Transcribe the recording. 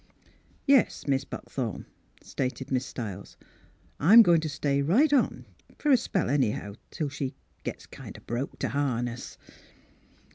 "Yes, Mis' Buckthorn," stated Miss Stiles, " I'm goin' t' stay right on — for a spell, anyhow, till she gets kind o' broke t' harness."